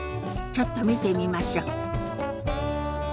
ちょっと見てみましょ。